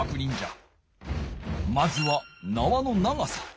まずはなわの長さ。